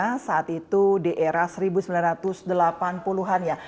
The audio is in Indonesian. bintang tamu yang satu itu di era seribu sembilan ratus delapan puluh an